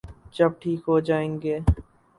جب ٹھیک ہو جائیں گے۔